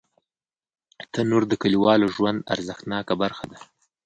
تنور د کلیوالو ژوند ارزښتناکه برخه ده